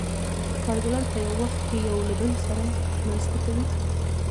کارګران په یو وخت کې یو له بل سره مرسته کوي